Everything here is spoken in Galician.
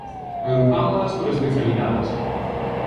Agrupámolas por especialidades: